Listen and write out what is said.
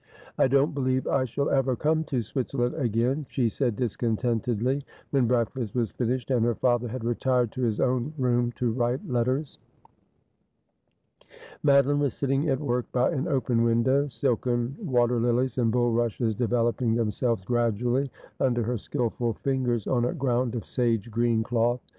' I don't believe I shall ever come to Switzerland again,' she eaid discontentedly, vs^hen breakfast was finished and her father had retired to his own room to write letters. Madoline was sitting at work by an open window, silken water lilies and bulrushes developing themselves gradually under her skilful fingers, on a ground of sage green cloth.